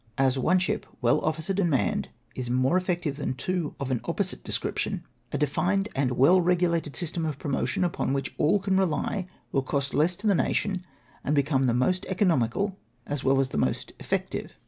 As one ship well officered and manned is more effective than two of an opposite description, a de fined and weU regulated system of promotion upon which all can rely will cost less to the nation, and become the most economical as well as the most effective.